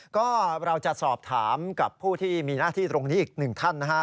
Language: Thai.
ก็เราจะสอบถามกับผู้ที่มีหน้าที่ตรงนี้อีกหนึ่งท่านนะฮะ